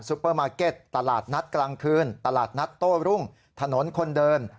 เปอร์มาร์เก็ตตลาดนัดกลางคืนตลาดนัดโต้รุ่งถนนคนเดิน